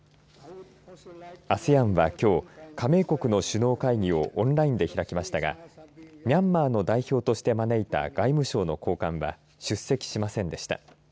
ＡＳＥＡＮはきょう加盟国の首脳会議をオンラインで開きましたがミャンマーの代表として招いた外務省の高官は出席しませんでした。